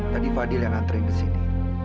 tadi fadil yang anterin kesini